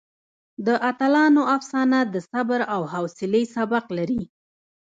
د اتلانو افسانه د صبر او حوصلې سبق لري.